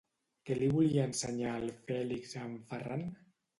Què li volia ensenyar el Fèlix a en Ferran?